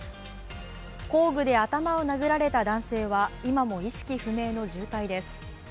工具で頭を殴られた男性は今も意識不明の重体です。